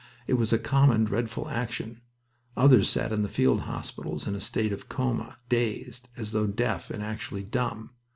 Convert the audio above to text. It was a common, dreadful action. Others sat in the field hospitals in a state of coma, dazed, as though deaf, and actually dumb.